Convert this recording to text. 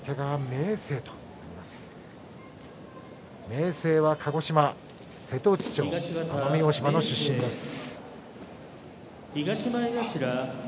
明生は鹿児島瀬戸内町奄美大島の出身です。